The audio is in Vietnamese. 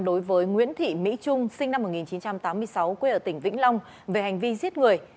đối với nguyễn thị mỹ trung sinh năm một nghìn chín trăm tám mươi sáu quê ở tỉnh vĩnh long về hành vi giết người